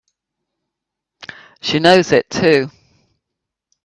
She knows it too!